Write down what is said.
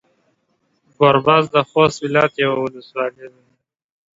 ګوربز د خوست ولايت يوه ولسوالي ده.